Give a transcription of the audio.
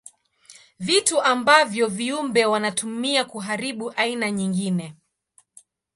Vitu ambavyo viumbe wanatumia kuharibu aina nyingine.